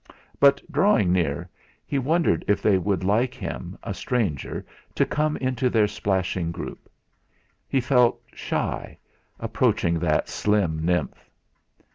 But drawing near, he wondered if they would like him, a stranger, to come into their splashing group; he felt shy, approaching that slim nymph.